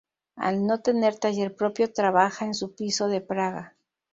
Al no tener taller propio, trabajaba en su piso de Praga.